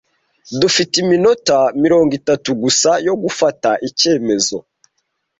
Dufite iminota mirongo itatu gusa yo gufata icyemezo.